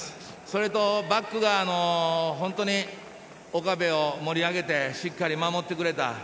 それとバックが本当に岡部を盛り上げてしっかり守ってくれた。